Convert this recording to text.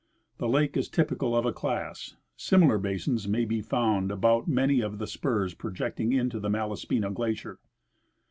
The lake is typical of a class. Similar basins may be found about many of the spurs projecting into the Malaspina glacier.